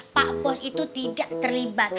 pak pos itu tidak terlibat